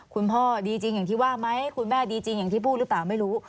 คุณพ่อดีจริงอย่างที่ว่าไหมคุณแม่ดีจริงอย่างที่พูดหรือเปล่าไม่รู้